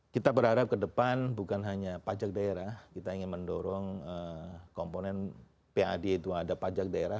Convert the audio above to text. kita berharap ke depan bukan hanya pajak daerah kita ingin mendorong komponen pad itu ada pajak daerah